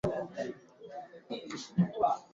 Turi lakana tupatane busubuyi njuya kwenda ku mashamba